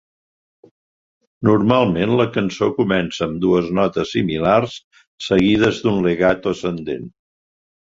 Normalment la cançó comença amb dues notes similars seguides d'un legato ascendent.